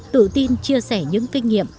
tự tin chia sẻ những kinh nghiệm